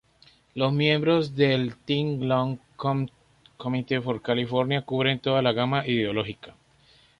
Los miembros del Think Long Committee for California cubren toda la gama ideológica.